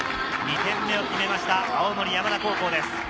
２点目を決めました、青森山田高校です。